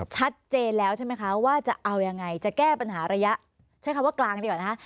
ชัดเจนแล้วใช่ไหมคะว่าจะเอายังไงจะแก้ปัญหาระยะใช้คำว่ากลางดีกว่านะคะ